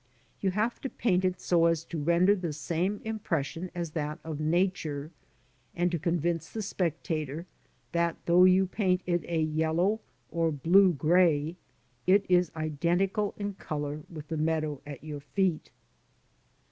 You have to paint it so as to render the same impression as that of Nature, and to convince the spectator that though you paint it a yellow or blue grey, it is identical in colour with the meadow at your feet.